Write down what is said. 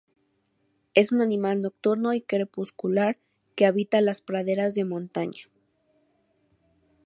Es un animal nocturno y crepuscular que habita las praderas de montaña.